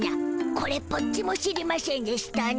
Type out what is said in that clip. これっぽっちも知りましぇんでしたな。